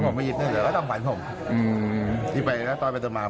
ผมไม่จับเดี๋ยวก็ต้องฝันผมอืมที่ไปแล้วต่อไปต่อมา